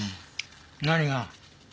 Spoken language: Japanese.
何が？